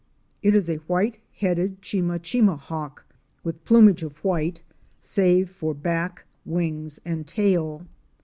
It is a White headed Chimachima Hawk with plumage of white, save for back, wings, and tail.